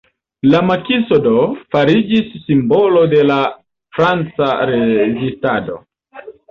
La Makiso do, fariĝis simbolo de la Franca rezistado.